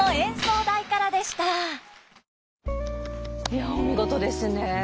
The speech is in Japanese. いやお見事ですね